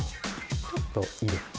ちょっといいですか？